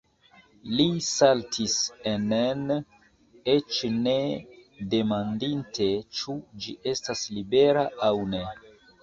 Li saltis enen, eĉ ne demandinte, ĉu ĝi estas libera aŭ ne.